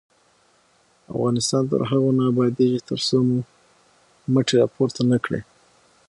افغانستان تر هغو نه ابادیږي، ترڅو مو مټې راپورته نه کړي.